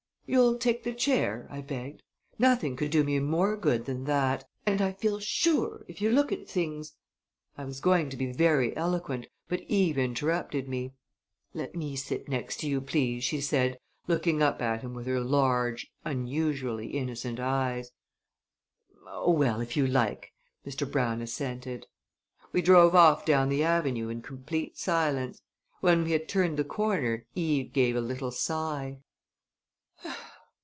"You'll take the chair?" I begged. "Nothing could do me more good than that; and I feel sure, if you look at things " I was going to be very eloquent, but Eve interrupted me. "Let me sit next to you, please," she said, looking up at him with her large, unusually innocent eyes. "Oh, well if you like!" Mr. Brown assented. We drove off down the avenue in complete silence. When we had turned the corner Eve gave a little sigh.